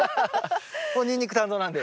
俺ニンニク担当なんで。